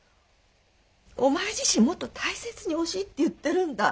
お前自身もっと大切におしって言ってるんだ。